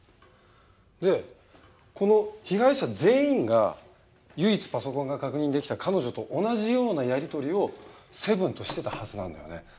でこの被害者全員が唯一パソコンが確認できた彼女と同じようなやりとりをセブンとしてたはずなんだよね。